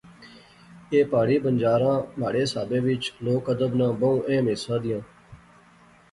ایہہ پہاڑی بنجاراں مہاڑے حسابے وچ لوک ادب ناں بہوں اہم حصہ دیاں